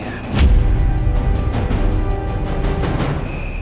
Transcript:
tante jangan sok peduli ya